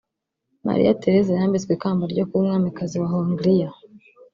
Maria Theresa yambitswe ikamba ryo kuba umwamikazi wa Hongriya